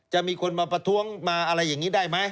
จะมีคนมาประท้วงมาอะไรอย่างนี้ได้ไหม